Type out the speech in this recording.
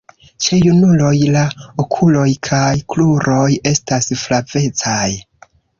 Ĉe junuloj la okuloj kaj kruroj estas flavecaj.